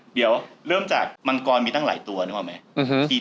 เดี๋ยวเริ่มจากมังกรมีตั้งหลายตัวนึกออกไหม